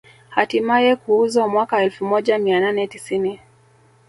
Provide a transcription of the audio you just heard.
Hatimaye kuuzwa mwaka elfu moja mia nane tisini